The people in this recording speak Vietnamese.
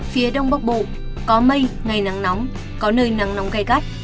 phía đông bắc bộ có mây ngày nắng nóng có nơi nắng nóng cay cắt